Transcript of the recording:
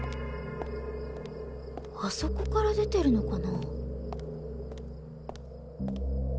あそこから出てるのかな？